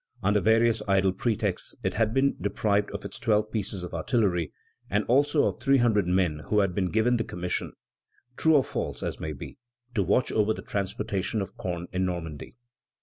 Under various idle pretexts it had been deprived of its twelve pieces of artillery, and also of three hundred men who had been given the commission, true or false as may be, to watch over the transportation of corn in Normandy.